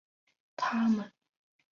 他们察觉弗雷德表现不自然。